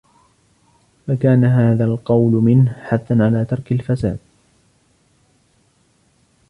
فَكَانَ هَذَا الْقَوْلُ مِنْهُ حَثًّا عَلَى تَرْكِ الْفَسَادِ